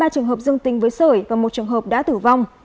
bảy mươi ba trường hợp dương tình với sởi và một trường hợp đã tử vong